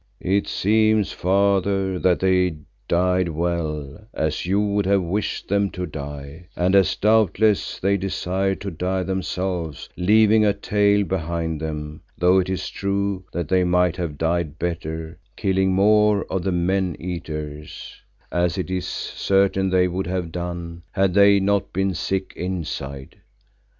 "It seems, Father, that they died well, as you would have wished them to die, and as doubtless they desired to die themselves, leaving a tale behind them, though it is true that they might have died better, killing more of the men eaters, as it is certain they would have done, had they not been sick inside.